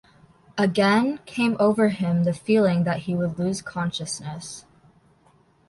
Again came over him the feeling that he would lose consciousness.